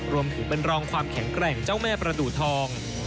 รวมถึงเป็นรองความแข็งแกร่งเจ้าแม่ประดูทอง